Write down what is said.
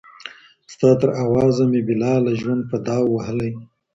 ستا تر آوازه مي بلاله ژوند په داو وهلی